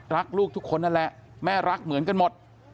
รักลูกทุกคนนั่นแหละแม่รักเหมือนกันหมด